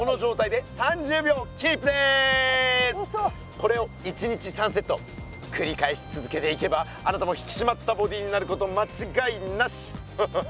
これを１日３セットくり返しつづけていけばあなたも引きしまったボディーになることまちがいなし！えむり！